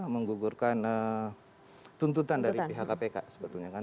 menggugurkan tuntutan dari pihak kpk sebetulnya kan